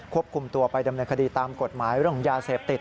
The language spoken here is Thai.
คุมตัวไปดำเนินคดีตามกฎหมายเรื่องของยาเสพติด